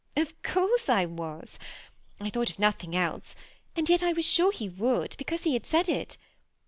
^ Of course I was. I thought of nothing else ; and yet I was sure he would, because he had said it.